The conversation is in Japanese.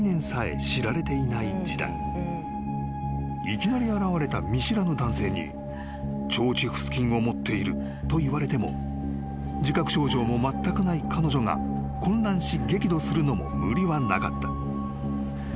［いきなり現れた見知らぬ男性に腸チフス菌を持っているといわれても自覚症状もまったくない彼女が混乱し激怒するのも無理はなかった］